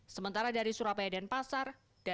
sementara dari surabaya dan pasar